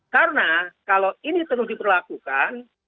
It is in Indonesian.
karena kalau ini terus diperlakukan